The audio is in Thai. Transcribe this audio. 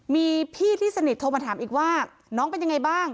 มีพี่ที่สนิทโทรมาถามอีกว่าน้องเป็นยังไงบ้าง